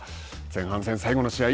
前半戦最後の試合